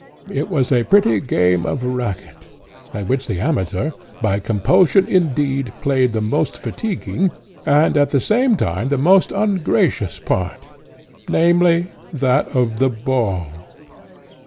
It was a pretty game of racket, at which the Amateur, by compulsion indeed, played the most fatiguing, and at the same time the most ungracious part, namely, that of the ball.